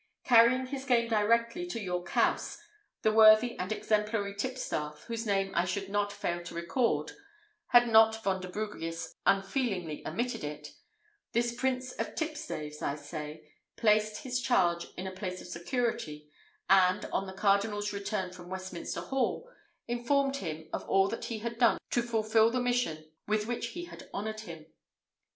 Carrying his game directly to York House, the worthy and exemplary tipstaff, whose name I should not fail to record, had not Vonderbrugius unfeelingly omitted it; this prince of tipstaves, I say, placed his charge in a place of security, and, on the cardinal's return from Westminster Hall, informed him of all that he had done to fulfil the mission with which he had honoured him.